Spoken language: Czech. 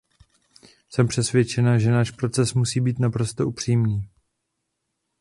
Jsem přesvědčena, že náš proces musí být naprosto upřímný.